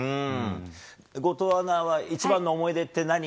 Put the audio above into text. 後藤アナは一番の思い出って何？